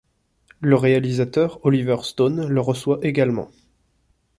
Le réalisateur Oliver Stone le reçoit également.